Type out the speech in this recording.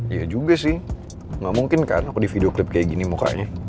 iya juga sih gak mungkin kan aku di video klip kayak gini mukanya